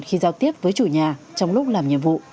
khi giao tiếp với chủ nhà trong lúc làm nhiệm vụ